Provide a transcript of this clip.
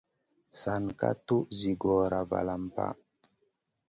San ka tuʼ zi gora valam pa.